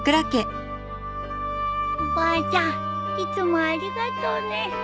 おばあちゃんいつもありがとうね。